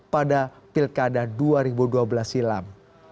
pada pilkada dua ribu dua belas silam